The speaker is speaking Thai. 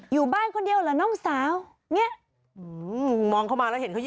อยู่บ้านคนเดียวเหรอน้องสาวเนี่ยมองเข้ามาแล้วเห็นเขาอยู่